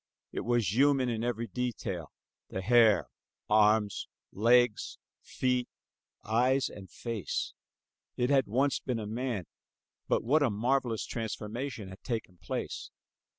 It was human in every detail, the hair, arms, legs, feet, eyes and face. It had once been a man, but what a marvelous transformation had taken place!